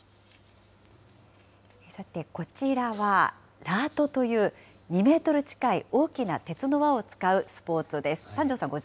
さて、こちらは、ラートという、２メートル近い大きな鉄の輪を使うスポーツです。